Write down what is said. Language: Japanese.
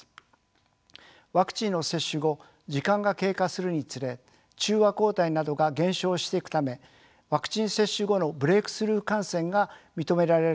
ワクチンの接種後時間が経過するにつれ中和抗体などが減少していくためワクチン接種後のブレークスルー感染が認められるようになってきています。